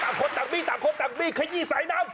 ตากคนตากมี่ตากคนตากมี่ขยี้สายน้ำ